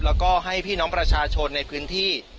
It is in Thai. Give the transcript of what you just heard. แล้วก็ให้พี่น้องประชาชนในพื้นที่